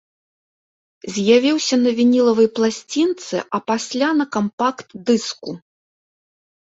З'явіўся на вінілавай пласцінцы, а пасля на кампакт-дыску.